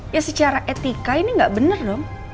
ya secara etika ini gak bener dong